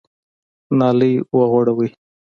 نالۍ وغوړوئ !